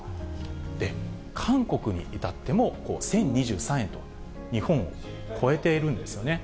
で、韓国に至っても１０２３円と、日本を超えているんですよね。